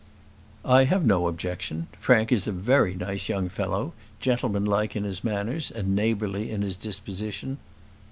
"I have no objection. Frank is a very nice young fellow, gentleman like in his manners, and neighbourly in his disposition."